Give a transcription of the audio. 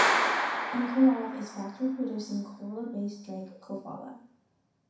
In Krnov is factory producing cola-based drink Kofola.